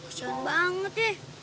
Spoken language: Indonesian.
kesian banget sih